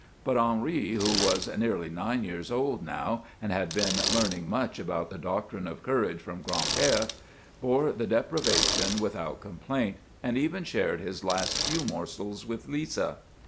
But Henri, who was nearly nine years old now and had been learning much about the doctrine of courage from Gran'père, bore the deprivation without complaint and even shared his last few morsels with Lisa.